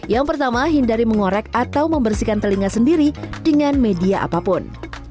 yang pertama hindari mengorek atau membersihkan telinga sendiri dengan media apapun